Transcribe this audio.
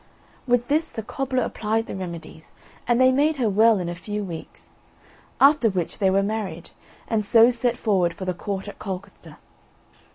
With this the cobbler applied the remedies, and they made her well in a few weeks; after which they were married, and so set forward for the Court at Colchester.